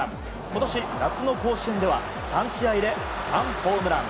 今年夏の甲子園では３試合で３ホームラン。